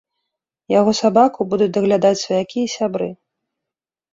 Яго сабаку будуць даглядаць сваякі і сябры.